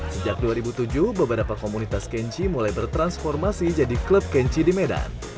sejak dua ribu tujuh beberapa komunitas kenji mulai bertransformasi jadi klub kenji di medan